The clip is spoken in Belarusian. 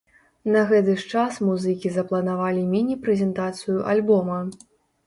На гэты ж час музыкі запланавалі міні-прэзентацыю альбома.